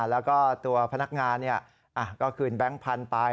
แล้วก็ตัวพนักงานก็คืนแบงค์พันธุ์ไป